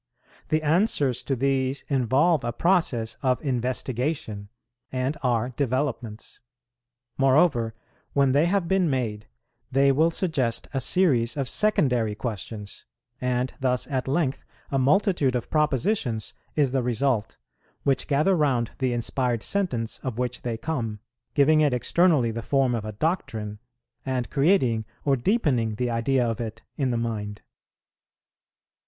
The answers to these involve a process of investigation, and are developments. Moreover, when they have been made, they will suggest a series of secondary questions; and thus at length a multitude of propositions is the result, which gather round the inspired sentence of which they come, giving it externally the form of a doctrine, and creating or deepening the idea of it in the mind.